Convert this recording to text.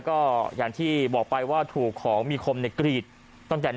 ก็อย่างที่บอกไปว่าถูกของมีคมในกรีดต้องจ่าย